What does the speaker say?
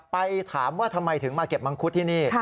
ไปถามว่าทำไมถึงมาเก็บมังคุดที่นี่